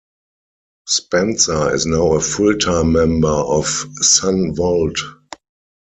Spencer is now a full-time member of Son Volt.